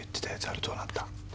あれどうなった？